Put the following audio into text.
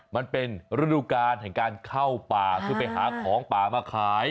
มันเป็นฤดูการแห่งการเข้าป่าคือไปหาของป่ามาขาย